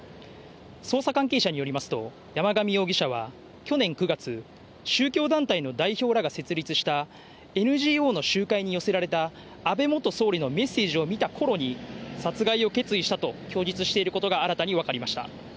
捜査関係者によりますと、山上容疑者は去年９月、宗教団体の代表らが設立したＮＧＯの集会に寄せられた、安倍元総理のメッセージを見たころに、殺害を決意したと供述していることが新たに分かりました。